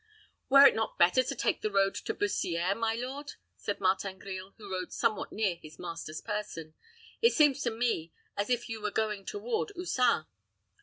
"Were it not better to take the road to Bussiere, my lord?" said Martin Grille, who rode somewhat near his master's person. "It seems to me as if you were going toward Oussin."